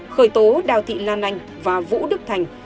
khởi tố đào thị lan anh và vũ đức thành